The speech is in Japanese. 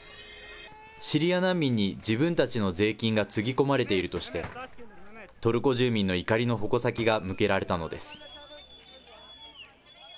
シリア難民に自分たちの税金がつぎ込まれているとして、トルコ住民の怒りの矛先が向けられたのです。